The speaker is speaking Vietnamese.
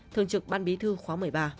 thường trực ban bí thư khóa một mươi ba